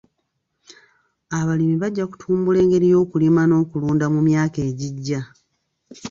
Abalimi bajja kutumbula engeri y'okulima n'okulunda mu myaka egijja.